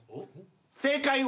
正解は。